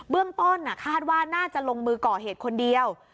เรื่องต้นคาดว่าน่าจะลงมือก่อเหตุคนเดียว